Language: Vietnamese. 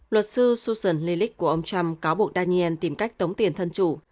luật sư susan lilich của ông trump cáo buộc daniel tìm cách tống tiền thân chủ